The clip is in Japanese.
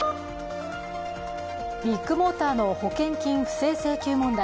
ビッグモーターの保険金不正請求問題。